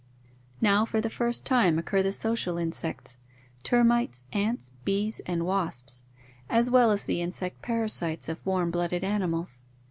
Now for the first time occur the social insects — termites, ants, bees, and wasps — as well as the insect parasites of warm blooded animals.